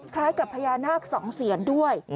คล้ายกับพญานาค๒เสียนด้วย